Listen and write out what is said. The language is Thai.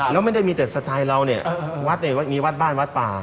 แล้วไม่ได้มีแต่สไตล์เราเนี่ยวัดเนี่ยมีวัดบ้านวัดป่า